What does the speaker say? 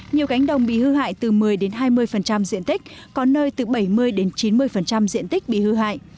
nhiều cánh đồng bị hư hại từ một mươi hai mươi diện tích có nơi từ bảy mươi chín mươi diện tích bị hư hại